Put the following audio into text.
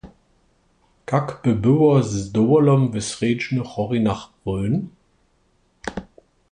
Kak by było z dowolom w srjedźnych horinach Rhön?